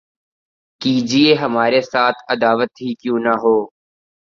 کیجئے ہمارے ساتھ‘ عداوت ہی کیوں نہ ہو